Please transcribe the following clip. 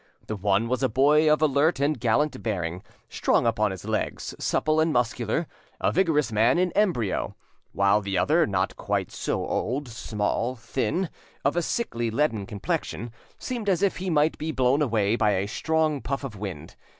The one was a boy of alert and gallant bearing, strong upon his legs, supple and muscular, a vigorous man in embryo; while the other, not quite so old, small, thin, of a sickly leaden complexion, seemed as if he might be blown away by a strong puff of wind.